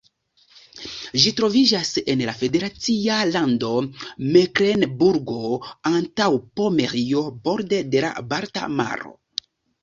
Ĝi troviĝas en la federacia lando Meklenburgo-Antaŭpomerio, borde de la Balta Maro.